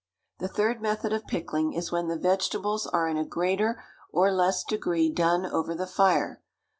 The third method of pickling is when the vegetables are in a greater or less degree done over the fire.